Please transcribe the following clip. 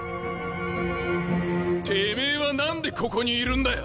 てめぇは何でここにいるんだよ！